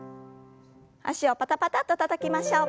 脚をパタパタッとたたきましょう。